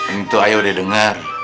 tentu ayo udah denger